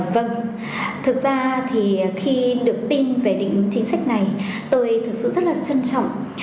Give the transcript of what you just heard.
vâng thực ra thì khi được tin về định hướng chính sách này tôi thực sự rất là trân trọng